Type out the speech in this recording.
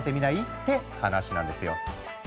って話なんですよ。